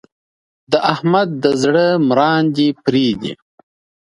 د احمد د زړه مراندې پرې دي.